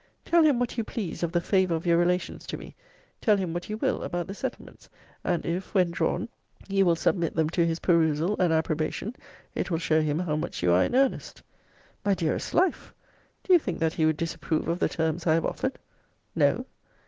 Tell him what you please of the favour of your relations to me: tell him what you will about the settlements: and if, when drawn, you will submit them to his perusal and approbation, it will show him how much you are in earnest. My dearest life! Do you think that he would disapprove of the terms I have offered? No.